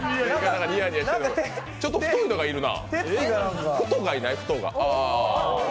ちょっと太いのがいるな？